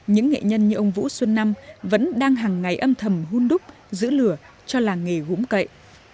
những nghệ nhân như ông vũ xuân năm vẫn đang hàng ngày âm thầm hôn đúc giữ lửa cho làng nghề gốm cậy